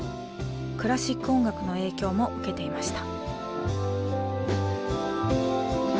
クラシック音楽の影響も受けていました。